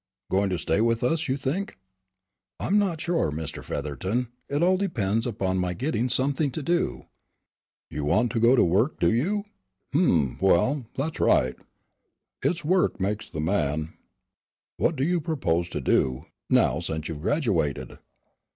Going to stay with us, you think?" "I'm not sure, Mr. Featherton; it all depends upon my getting something to do." "You want to go to work, do you? Hum, well, that's right. It's work makes the man. What do you propose to do, now since you've graduated?"